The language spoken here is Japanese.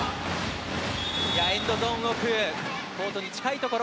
エンドゾーン奥コートに近いところ。